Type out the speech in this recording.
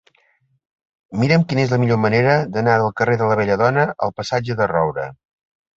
Mira'm quina és la millor manera d'anar del carrer de la Belladona al passatge de Roura.